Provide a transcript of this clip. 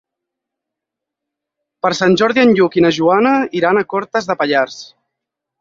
Per Sant Jordi en Lluc i na Joana iran a Cortes de Pallars.